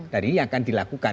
dan ini yang akan dilakukan